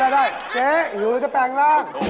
ได้เจ๊หิวแล้วจะแปลงร่าง